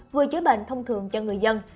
vừa chữa bệnh thông thường cho người dân